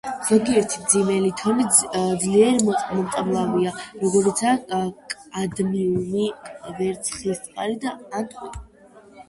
ზოგიერთი მძიმე ლითონი ძლიერ მომწამლავია, როგორიცაა კადმიუმი, ვერცხლისწყალი ან ტყვია.